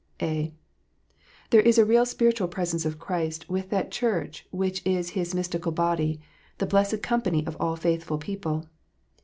(a) There is a real spiritual presence of Christ with that Church which is His mystical body, the blessed company of all faithful people.